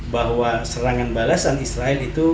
bahwa serangan balasan israel itu